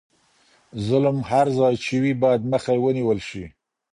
ظلم هر ځای چې وي باید مخه یې ونیول شي.